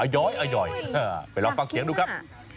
ย้อยไปลองฟังเสียงดูครับ